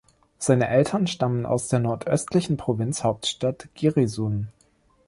Seine Eltern stammen aus der nordöstlichen Provinz-Hauptstadt Giresun.